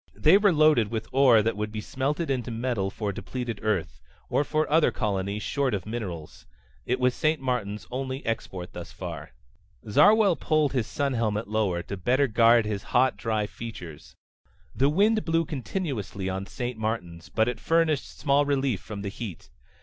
They were loaded with ore that would be smelted into metal for depleted Earth, or for other colonies short of minerals. It was St. Martin's only export thus far. Zarwell pulled his sun helmet lower, to better guard his hot, dry features. The wind blew continuously on St. Martin's, but it furnished small relief from the heat.